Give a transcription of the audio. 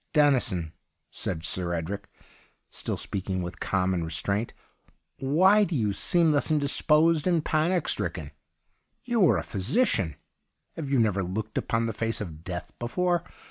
' Dennison/ said Sir Edric, still speaking with calm and restraint, ' why do you seem thus indisposed and panic stricken ? You are a physician ; have you never looked upon the face of death before